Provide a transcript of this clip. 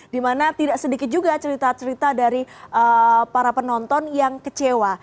dimana tidak sedikit juga cerita cerita dari para penonton yang kecewa